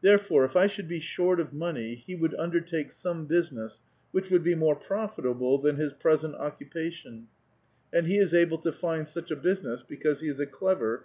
Therefore, if I should be short of money, he would undertake some business which would be more profitable than his 'present occupation, and he is able to find such a business, because he is a clever and